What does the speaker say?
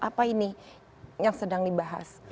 apa ini yang sedang dibahas